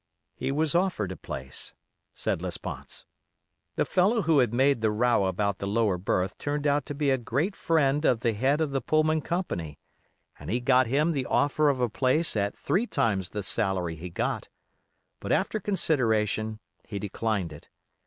"He was offered a place," said Lesponts. "The fellow who had made the row about the lower berth turned out to be a great friend of the head of the Pullman Company, and he got him the offer of a place at three times the salary he got, but after consideration, he declined it.